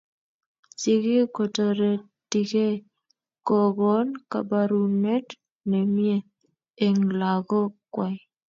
Sigiik kotoretigei kokoon kabarunet ne mie eng lagook kwai.